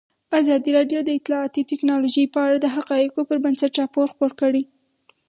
ازادي راډیو د اطلاعاتی تکنالوژي په اړه د حقایقو پر بنسټ راپور خپور کړی.